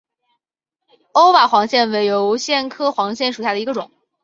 欧瓦黄藓为油藓科黄藓属下的一个种。